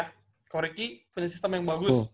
shikoh riki punya sistem yang bagus